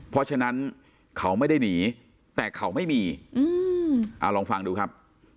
เพราะฉะนั้นเขาไม่ได้หนีแต่เขาไม่มีลองฟังดูครับ